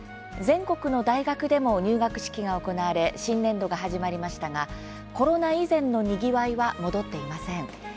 全国の大学でも入学式が行われ新年度が始まりましたがコロナ以前のにぎわいは戻っていません。